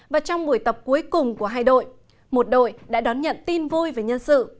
và trong buổi tập cuối cùng của hai đội một đội đã đón nhận tin vui về nhân sự